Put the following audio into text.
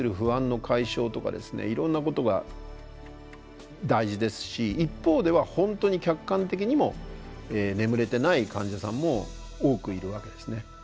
いろんなことが大事ですし一方では本当に客観的にも眠れてない患者さんも多くいるわけですね。